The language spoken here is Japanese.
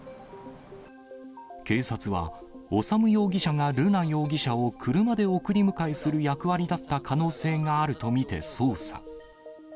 警察は、修容疑者が瑠奈容疑者を車で送り迎えする役割だった可能性があるとみて捜査。